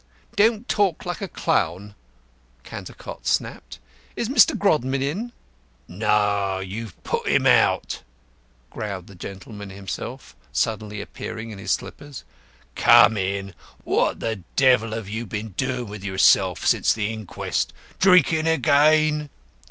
"Don't talk like a clown," Cantercot snapped. "Is Mr. Grodman in?" "No, you've put him out," growled the gentleman himself, suddenly appearing in his slippers. "Come in. What the devil have you been doing with yourself since the inquest? Drinking again?"